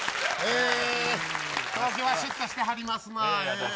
東京はしゅっとしてはりますな。